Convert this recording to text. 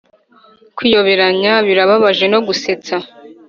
kwiyoberanya birababaje no gusetsa